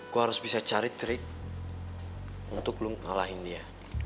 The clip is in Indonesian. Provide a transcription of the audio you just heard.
gue harus bisa cari trik untuk lo ngalahin dia